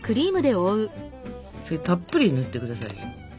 それたっぷりぬって下さいよ。